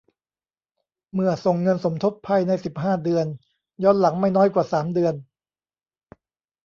เมื่อส่งเงินสมทบภายใน สิบห้า เดือน ย้อนหลัง ไม่น้อยกว่า สาม เดือน